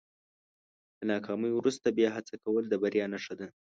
له ناکامۍ وروسته بیا هڅه کول د بریا نښه ده.